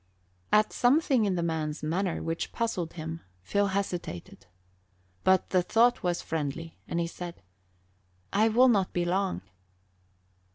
At something in the man's manner, which puzzled him, Phil hesitated; but the thought was friendly, and he said, "I will not be long."